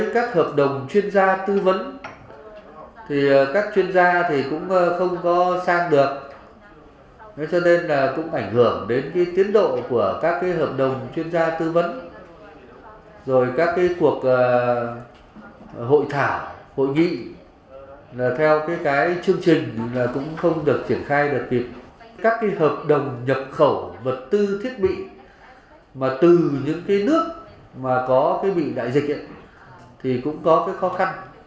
các hợp đồng nhập khẩu vật tư thiết bị từ những nước có bị đại dịch cũng có khó khăn